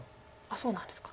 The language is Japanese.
そうなんですか。